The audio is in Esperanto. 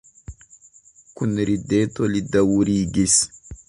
Kun rideto li daŭrigis.